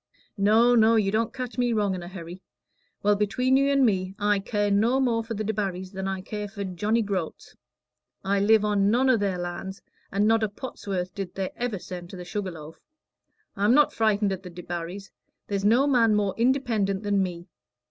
"No, no, you don't catch me wrong in a hurry. Well, between you and me, I care no more for the Debarrys than I care for Johnny Groats. I live on none o' their land, and not a pot's worth did they ever send to the Sugar Loaf. I'm not frightened at the Debarrys: there's no man more independent than me.